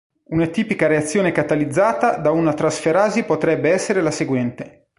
Una tipica reazione catalizzata da una transferasi potrebbe essere la seguente.